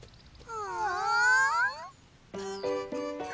うん。